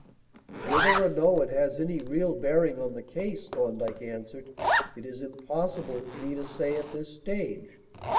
"Whether or no it has any real bearing on the case," Thorndyke answered, "it is impossible for me to say at this stage.